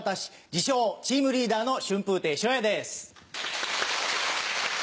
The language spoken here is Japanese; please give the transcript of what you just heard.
自称チームリーダーの春風亭昇也です。